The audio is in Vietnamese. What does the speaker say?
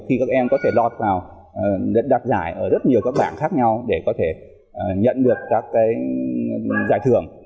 khi các em có thể lọt vào đoạt giải ở rất nhiều các bảng khác nhau để có thể nhận được các giải thưởng